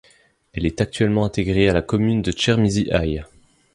Elle est actuellement intégrée à la commune de Chermizy-Ailles.